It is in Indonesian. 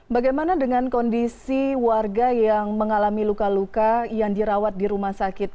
bagaimana dengan kondisi warga yang mengalami luka luka yang dirawat di rumah sakit